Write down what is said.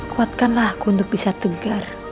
kuatkanlah aku untuk bisa tegar